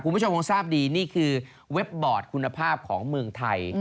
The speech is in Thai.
คุณผู้ชมคงทราบดีนี่คือเว็บบอร์ดคุณภาพของเมืองไทย